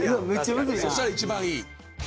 そしたら一番いい。